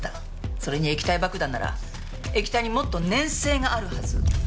それに液体爆弾なら液体にもっと粘性があるはず。